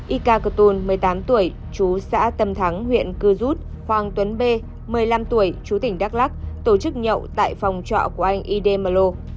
ika cơn một mươi tám tuổi chú xã tâm thắng huyện cư rút hoàng tuấn b một mươi năm tuổi chú tỉnh đắk lắc tổ chức nhậu tại phòng trọ của anh idemlo